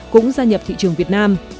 cũng gia nhập thị trường việt nam